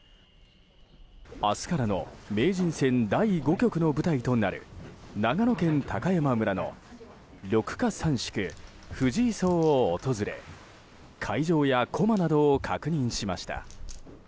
明日からの名人戦第５局の舞台となる長野県高山村の緑霞山宿藤井荘を訪れ会場や駒などを確認しました。